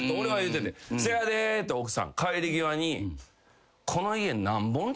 「せやで」って奥さん帰り際に。